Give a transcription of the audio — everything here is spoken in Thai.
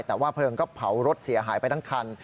แต่ว่าเพลิงก็เผารถเสียหายไปทั้งคัน